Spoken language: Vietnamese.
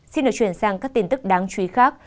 xin được chuyển sang các tin tức đáng chú ý khác